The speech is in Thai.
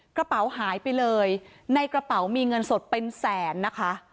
กระเป๋าหายไปเลยในกระเป๋ามีเงินสดเป็นแสนนะคะ